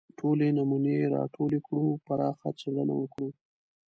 ټولې نمونې راټولې کړو پراخه څېړنه وکړو